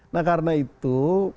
nah karena itu